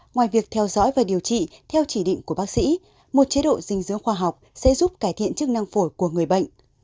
ngoài việc theo dõi và điều trị theo chỉ định của bác sĩ một chế độ dinh dưỡng khoa học sẽ giúp cải thiện chức năng phổi của người bệnh